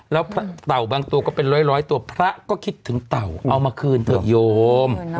แล้วเต่าบางตัวก็เป็นร้อยตัวพระก็คิดถึงเต่าเอามาคืนเถอะโยม